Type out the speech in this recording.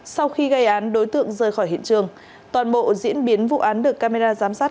sau khi gây án đối tượng rời khỏi hiện trường toàn bộ diễn biến vụ án được camera giám sát